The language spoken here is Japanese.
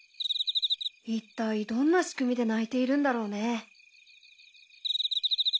一体どんな仕組みで鳴いているんだろうね？